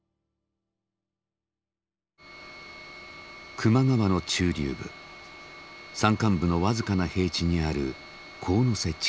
球磨川の中流部山間部の僅かな平地にある神瀬地区です。